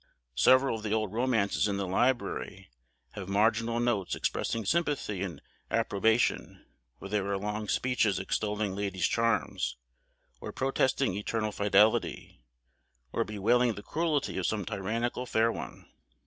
Several of the old romances in the library have marginal notes expressing sympathy and approbation, where there are long speeches extolling ladies' charms, or protesting eternal fidelity, or bewailing the cruelty of some tyrannical fair one.